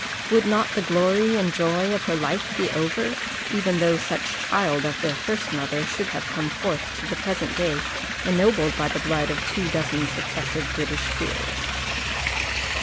Would not the glory and joy of her life be over, even though such child of their first mother should have come forth to the present day ennobled by the blood of two dozen successive British peers?